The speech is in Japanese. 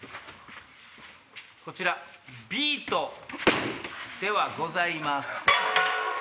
こちらビートではございません。